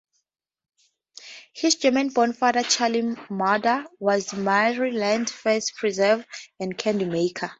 His German-born father, Charles Munder, was Maryland's first preserve and candy-maker.